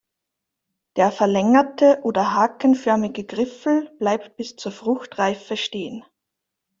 Der verlängerte oder hakenförmige Griffel bleibt bis zur Fruchtreife stehen.